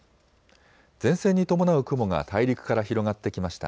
前線に伴う雲が大陸から広がってきました。